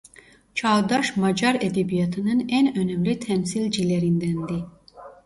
Çağdaş Macar edebiyatının en önemli temsilcilerindendi.